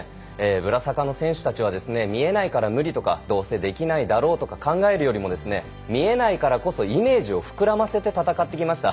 ブラサカの選手たちは見えないから無理とかどうせできないだろうとか考えるよりも見えないからこそイメージを膨らませて戦ってきました。